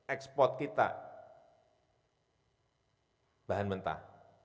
ekspor kita bahan mentah